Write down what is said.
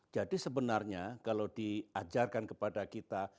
jadi sebenarnya kalau diajarkan kepada kita